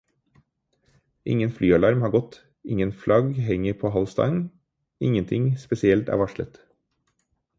Ingen flyalarm har gått, ingen flagg henger på halv stang, ingenting spesielt er varslet.